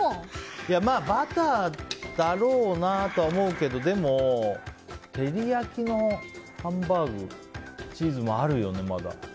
バターだろうなと思うけどでも、照り焼きのハンバーグチーズもあるよね、まだ。